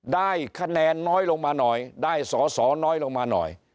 ได้คะแนนน้อยลงมาหน่อยได้สอสอน้อยลงมาหน่อย